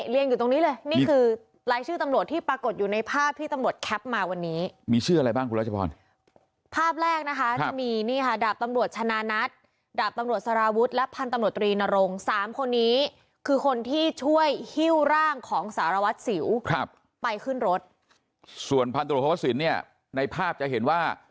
สิวครับไปขึ้นรถส่วนพันธุรกษิณเนี้ยในภาพจะเห็นว่า